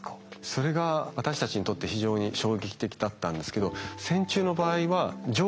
それが私たちにとって非常に衝撃的だったんですけど線虫の場合は上皮皮ですね